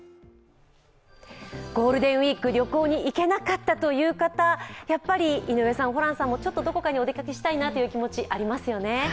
ゴールデンウイーク、旅行に行けなかったという方、やっぱり、井上さん、ホランさんもどこかにお出かけしたいという気持ち、ありますよね。